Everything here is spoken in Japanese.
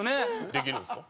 できるんですか？